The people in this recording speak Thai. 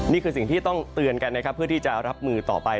นี่คือสิ่งที่ต้องเตือนกันนะครับเพื่อที่จะรับมือต่อไป